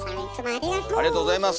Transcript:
ありがとうございます。